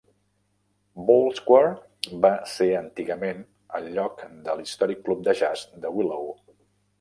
Ball Square va ser antigament el lloc de l'històric Club de Jazz de Willow.